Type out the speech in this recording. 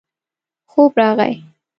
خوب راغی.